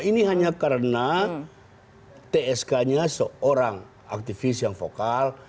ini hanya karena tsk nya seorang aktivis yang vokal